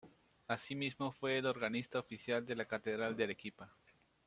Asimismo, fue el organista oficial de la Catedral de Arequipa.